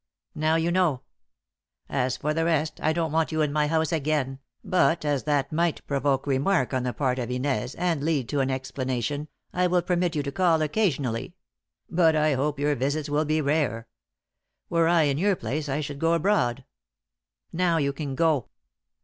Now you know. As for the rest, I don't want you in my house again, but as that might provoke remark on the part of Inez, and lead to an explanation, I will permit you to call occasionally; but I hope your visits will be rare. Were I in your place I should go abroad. Now you can go."